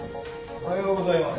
おはようございます。